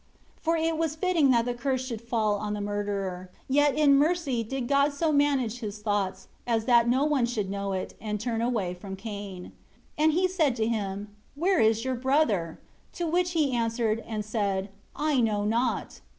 23 For it was fitting that the curse should fall on the murderer; yet in mercy did God so manage His thoughts as that no one should know it, and turn away from Cain. 24 And He said to him, "Where is your brother?" To which he answered and said, "I know not."